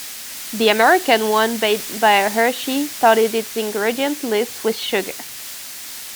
The American one made by Hershey started its ingredients list with sugar.